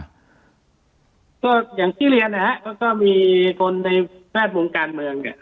ก็อย่างที่เรียนนะฮะก็มีคนในแวดวงการเมืองเนี่ย